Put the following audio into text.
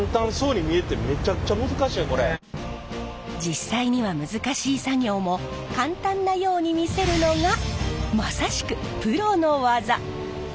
いやこれ実際には難しい作業も簡単なように見せるのがまさしくプロの技。